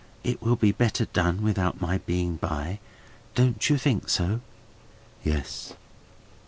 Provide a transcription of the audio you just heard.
It will be better done without my being by. Don't you think so?" "Yes."